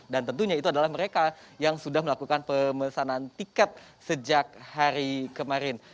dan tentunya itu adalah mereka yang sudah melakukan pemesanan tiket sejak hari kemarin